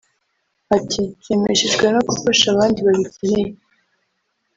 Ati “Nshimishijwe no gufasha abandi babikeneye